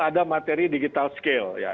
ada materi digital skill ya